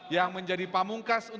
yang menjadi pamungkan